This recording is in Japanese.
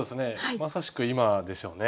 まさしく今でしょうね。